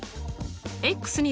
に